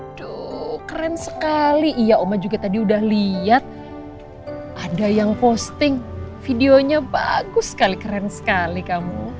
aduh keren sekali iya oma juga tadi udah lihat ada yang posting videonya bagus sekali keren sekali kamu